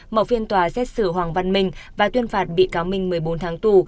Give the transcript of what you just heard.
mở phiên tòa xét xử hoàng văn minh và tuyên phạt bị cáo minh một mươi bốn tháng tù